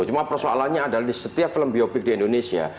cuma persoalannya adalah di setiap film biopik di indonesia